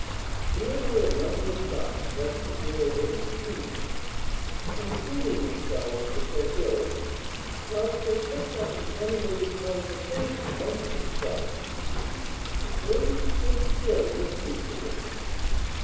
Here were a number of ducks resting near a little stream, and pluming, themselves with their bills, whilst they kept up an animated conversation amongst themselves. The servant stood still listening to them.